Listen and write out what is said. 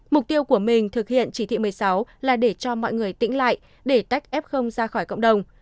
mục tiêu của mình thực hiện chỉ thị một mươi sáu là để cho mọi người tĩnh lại để tách f ra khỏi cộng đồng